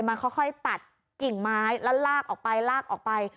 มันค่อยตัดกิ่งไม้แล้วลากออกไปลากออกไป